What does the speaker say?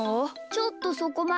ちょっとそこまで。